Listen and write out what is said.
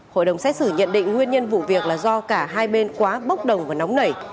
hội đồng xét xử nhận định nguyên nhân vụ việc là do cả hai bên quá bốc đồng và nóng nảy